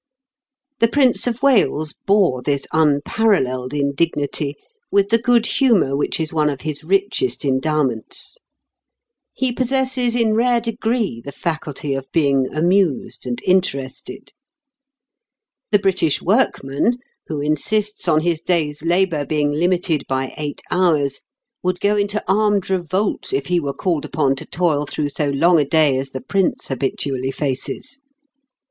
The Prince of Wales bore this unparalleled indignity with the good humour which is one of his richest endowments. He possesses in rare degree the faculty of being amused and interested. The British workman, who insists on his day's labour being limited by eight hours, would go into armed revolt if he were called upon to toil through so long a day as the Prince habitually faces.